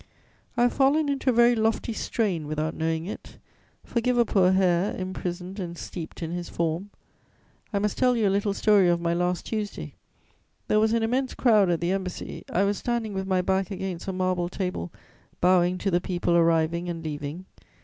"I have fallen into a very lofty strain without knowing it. Forgive a poor hare imprisoned and steeped in his form. I must tell you a little story of my last 'Tuesday.' There was an immense crowd at the Embassy; I was standing with my back against a marble table, bowing to the people arriving and leaving.